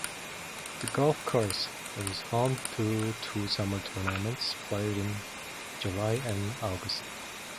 The golf course is home to two summer tournaments played in July and August.